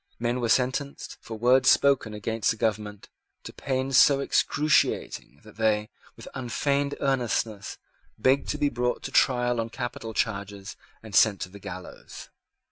Men were sentenced, for words spoken against the government, to pains so excruciating that they, with unfeigned earnestness, begged to be brought to trial on capital charges, and sent to the gallows.